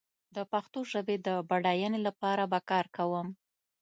د پښتو ژبې د بډايينې لپاره به کار کوم